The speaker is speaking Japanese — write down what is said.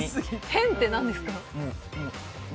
変って何ですか？